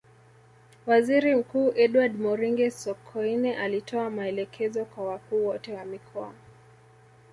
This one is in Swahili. Waziri Mkuu Edward Moringe Sokoine alitoa maelekezo kwa wakuu wote wa mikoa